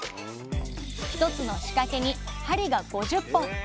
１つの仕掛けに針が５０本。